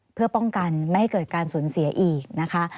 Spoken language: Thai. เพื่อป้องกันไม่ให้เกิดการสูญเสียอีกนะคะ